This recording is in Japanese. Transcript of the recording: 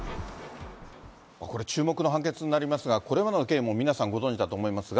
これ、注目の判決になりますが、これまでの経緯も皆さん、ご存じだと思いますが。